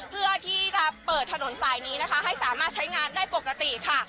เพื่อที่จะเปิดถนนสายนี้นะคะให้สามารถใช้งานได้ปกติค่ะ